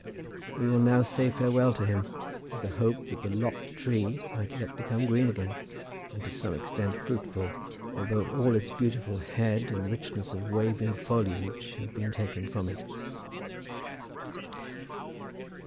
We will now say farewell to him, with a hope that the lopped tree may yet become green again, and to some extent fruitful, although all its beautiful head and richness of waving foliage have been taken from it.